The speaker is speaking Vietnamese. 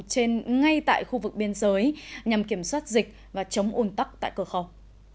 trên ngay tại khu vực biên giới nhằm kiểm soát dịch và chống ủn tắc tại cửa khẩu